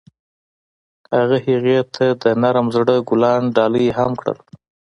هغه هغې ته د نرم زړه ګلان ډالۍ هم کړل.